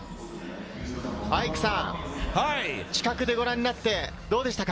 アイクさん、近くでご覧になってどうでしたか？